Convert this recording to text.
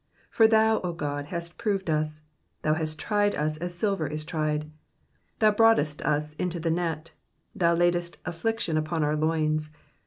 10 For thou, O God, hast proved us : thou hast tried us, as silver is tried. 1 1 Thou broughtest us into the net ; thou laidst affliction upon our loins.